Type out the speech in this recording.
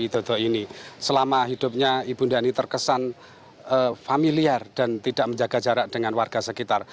toto ini selama hidupnya ibu ndani terkesan familiar dan tidak menjaga jarak dengan warga sekitar